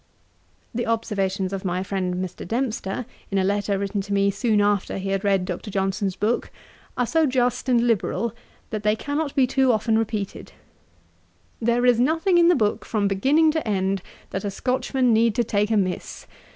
The observations of my friend Mr. Dempster in a letter written to me, soon after he had read Dr. Johnson's book, are so just and liberal, that they cannot be too often repeated: 'There is nothing in the book, from beginning to end, that a Scotchman need to take amiss.